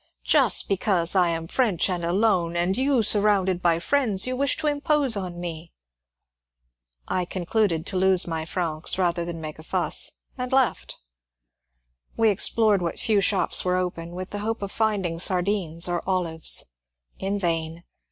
'' Just be A REPENTANT SALOON KEEPER 231 cause I am French and alone, and you surrounded by friends, you wish to impose on me !" I concluded to lose my francs rather than make a fuss, and left. We explored what few shops were open, with the hope of finding sardines or olives ; in vain